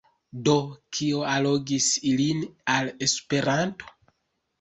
Do kio allogis ilin al Esperanto?